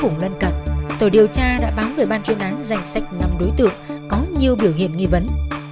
trong lần cận tòa điều tra đã báo về ban chuyên án danh sách năm đối tượng có nhiều biểu hiện nghi vấn